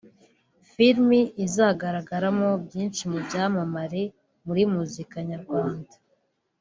filimi izagaragaramo byinshi mu byamamare muri muzika nyarwanda